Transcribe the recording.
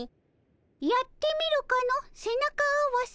やってみるかの背中合わせ。